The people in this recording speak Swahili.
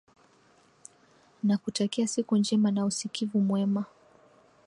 nakutakia siku njema na usikivu mwema